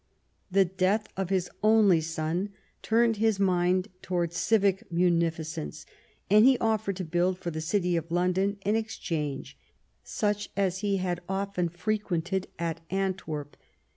The death of his only son turned his mind towards civic munificence, and he offered to build for the city of London an Exchange, such as he had often frequented at Antwerp.